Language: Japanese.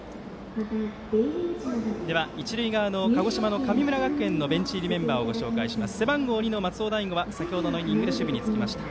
では、一塁側の鹿児島の神村学園のベンチ入りメンバーをご紹介します。